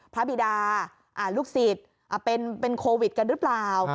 บิดาลูกศิษย์เป็นโควิดกันหรือเปล่า